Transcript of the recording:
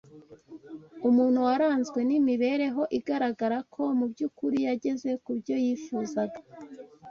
umuntu waranzwe n’imibereho igaragara ko mu by’ukuri yageze ku byo yifuzaga